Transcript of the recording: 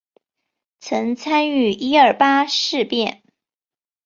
曾参与一二八事变。